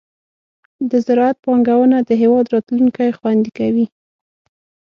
د زراعت پانګونه د هېواد راتلونکې خوندي کوي.